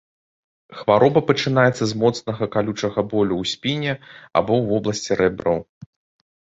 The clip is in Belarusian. Хвароба пачынаецца з моцнага, калючага болю ў спіне, або ў вобласці рэбраў.